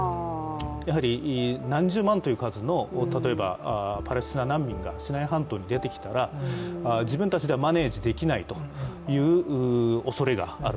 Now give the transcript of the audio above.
やはり、何十万という数のパレスチナ難民がシナイ半島に出てきたら、自分たちではマネージできないというおそれがある。